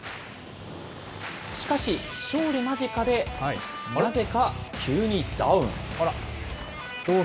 しかし勝利間近でなぜか急にダウン。